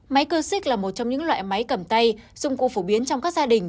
máy cưa xích là một trong những loại máy cầm tay dùng cụ phổ biến trong các gia đình